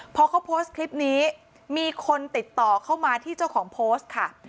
พอเขาโพสต์คลิปนี้มีคนติดต่อเข้ามาที่เจ้าของโพสต์ค่ะ